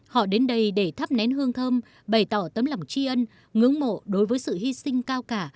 họ đến đây để thắp nén hương thơm bày tỏ tấm lòng tri ân ngưỡng mộ đối với sự hy sinh cao cả